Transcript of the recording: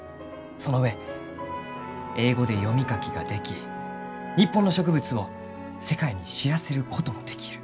その上英語で読み書きができ日本の植物を世界に知らせることもできる。